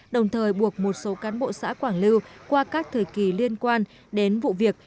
đồng thời buộc một số cán bộ xã quảng lưu qua các thời kỳ liên quan đến vụ việc